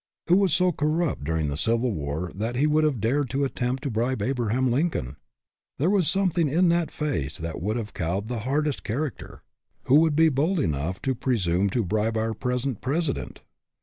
Who was so corrupt during the Civil War that he would have dared to attempt to bribe Abraham Lincoln? There was something in that face that would have cowed the hardest character. Who would be bold enough to presume to bribe our present President?